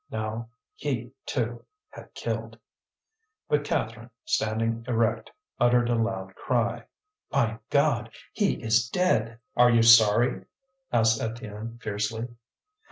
Now he, too, had killed. But Catherine, standing erect, uttered a loud cry: "My God! he is dead!" "Are you sorry?" asked Étienne, fiercely.